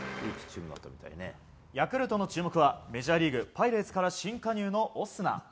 ヤクルトの注目はメジャーリーグ、パイレーツから新加入のオスナ。